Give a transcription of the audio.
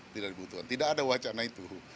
tidak ada wacana itu